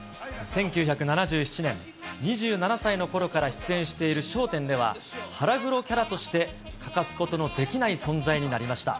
１９７７年、２７歳のころから出演している笑点では、腹黒キャラとして欠かすことのできない存在になりました。